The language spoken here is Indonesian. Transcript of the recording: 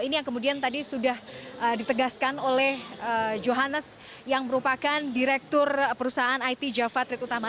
ini yang kemudian tadi sudah ditegaskan oleh johannes yang merupakan direktur perusahaan it java trade utama